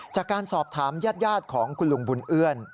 จากการสอบถามญาติของคุณลุงบุญเอื้อน